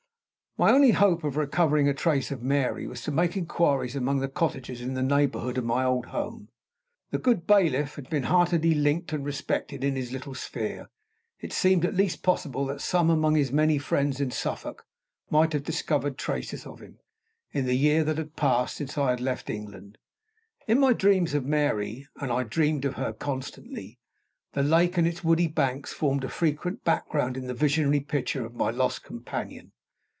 My only hope of recovering a trace of Mary was to make inquiries among the cottagers in the neighborhood of my old home. The good bailiff had been heartily liked and respected in his little sphere. It seemed at least possible that some among his many friends in Suffolk might have discovered traces of him, in the year that had passed since I had left England. In my dreams of Mary and I dreamed of her constantly the lake and its woody banks formed a frequent background in the visionary picture of my lost companion.